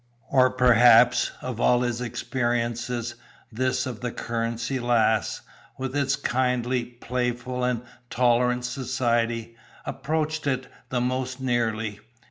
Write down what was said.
Or perhaps, of all his experiences, this of the Currency Lass, with its kindly, playful, and tolerant society, approached it the most nearly.